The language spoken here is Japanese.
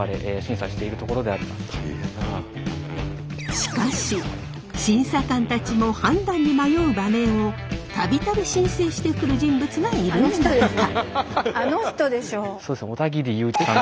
しかし審査官たちも判断に迷う馬名を度々申請してくる人物がいるんだとか。